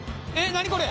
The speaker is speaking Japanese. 何これ！